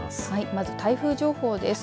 まず台風情報です。